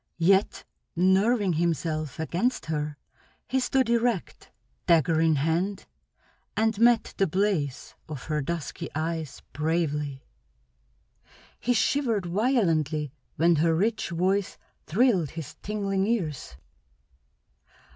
Yet, nerving himself against her, he stood erect, dagger in hand, and met the blaze of her dusky eyes bravely. He shivered violently when her rich voice thrilled his tingling ears.